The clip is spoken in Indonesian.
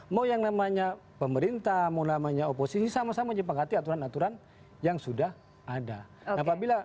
mau yang namanya pemerintah mau namanya oposisi sama sama menyepakati aturan aturan yang sudah ada